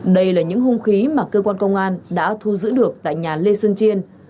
đây là những hung khí mà cơ quan công an đã thu giữ được tại nhà lê xuân chiên